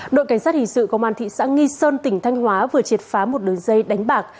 đội cảnh sát hình sự công an thị xã nghi sơn tỉnh thanh hóa vừa triệt phá một đường dây đánh bạc